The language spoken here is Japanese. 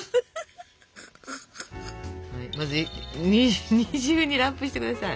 まず二重にラップして下さい。